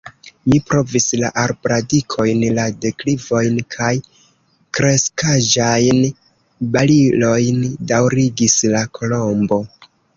"Mi provis la arbradikojn, la deklivojn, kaj kreskaĵajn barilojn," daŭrigis la Kolombo.